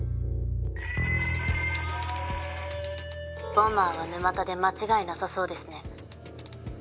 ボマーは沼田で間違いなさそうですね。